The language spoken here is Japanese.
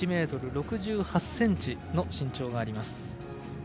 １ｍ６８ｃｍの身長があります。